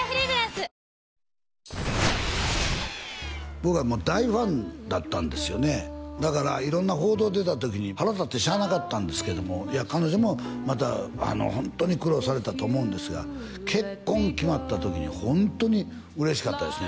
僕は大ファンだったんですよねだから色んな報道出た時に腹立ってしゃあなかったんですけども彼女もまたホントに苦労されたと思うんですが結婚決まった時にホントに嬉しかったですね